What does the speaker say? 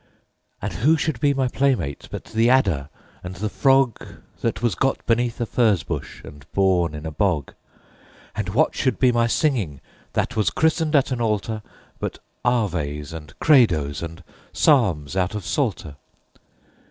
And who should be my playmates but the adder and the frog, That was got beneath a furze bush and born in a bog? And what should be my singing, that was christened at an altar, But Aves and Credos and Psalms out of Psalter?